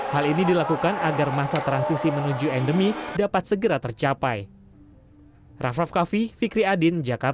hal ini dilakukan agar masa transisi menuju endemi dapat segera tercapai